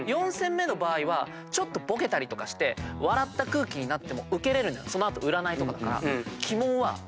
４戦目の場合ちょっとボケたりとかして笑った空気になっても受けれるのよその後占いとかだから。